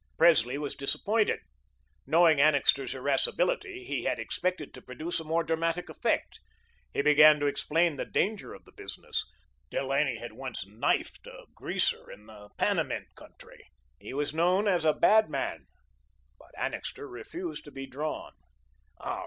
Presley was disappointed. Knowing Annixter's irascibility, he had expected to produce a more dramatic effect. He began to explain the danger of the business. Delaney had once knifed a greaser in the Panamint country. He was known as a "bad" man. But Annixter refused to be drawn.